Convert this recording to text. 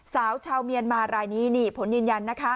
สาวชาวเมียนมาดคลายนี้ผลยืนยัน